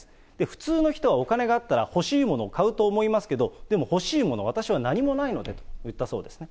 普通の人はお金があったら欲しいものを買うと思いますけど、でも欲しいもの、私は何もないのでと言ったそうです。